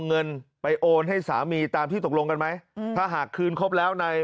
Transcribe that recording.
เงินไปโอนให้สามีตามที่ตกลงกันไหมอืมถ้าหากคืนครบแล้วใน